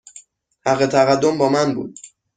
حق تقدم با من بود.